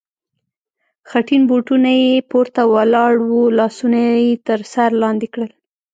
خټین بوټونه یې پورته ولاړ و، لاسونه یې تر سر لاندې کړل.